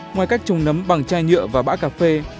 ngoài cách trùng nấm bằng chai nhựa và bã cà phê